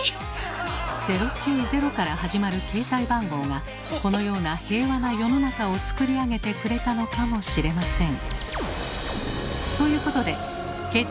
「０９０」から始まる携帯番号がこのような平和な世の中をつくり上げてくれたのかもしれません。